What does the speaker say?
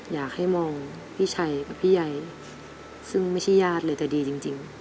อยากให้มองพี่ชัยกับพี่ใยซึ่งไม่ใช่ญาติเลยแต่ดีจริง